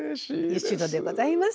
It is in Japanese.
八代でございます。